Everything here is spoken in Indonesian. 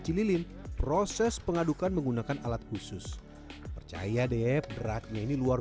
dan cililin proses pengadukan menggunakan alat khusus percaya deh beratnya ini luar